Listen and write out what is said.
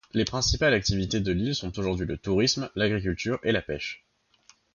Les principales activités de l'île sont aujourd'hui le tourisme, l'agriculture et la pêche.